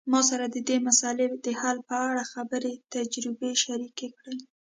ما سره د دې مسئلې د حل په اړه خپلي تجربي شریکي کړئ